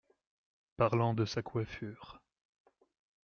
Parlant de sa coiffure.